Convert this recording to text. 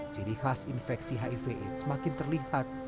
ciri khas infeksi hiv aids semakin terlihat